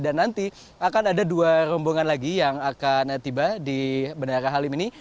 dan nanti akan ada dua rombongan lagi yang akan tiba di bandara halim ini